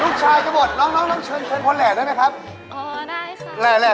ลูกชายจะหมดลอง